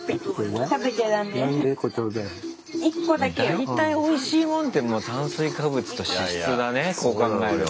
大体おいしいもんって炭水化物と脂質だねこう考えると。